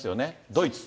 ドイツ。